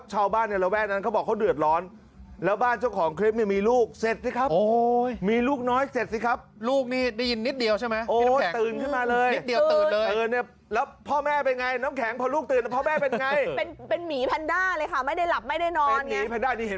แล้วพ่อแม่เป็นยังไงน้องแข็งพอลูกตื่นพ่อแม่เป็นยังไงเป็นเป็นหมีแพนด๊าเลยคะไม่ได้หลับไม่ได้นอนอย่างเงี้ย